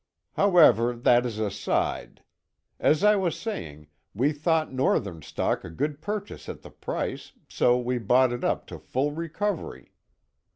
"However, that is aside. As I was saying, we thought Northern stock a good purchase at the price, so we bought it up to full recovery."